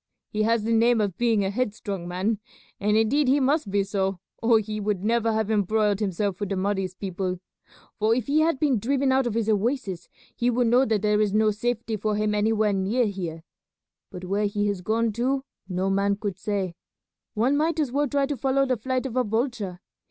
He has the name of being a headstrong man, and indeed he must be so or he would never have embroiled himself with the Mahdi's people, for if he had been driven out of his oasis he would know that there is no safety for him anywhere near here; but where he has gone to no man could say. One might as well try to follow the flight of a vulture.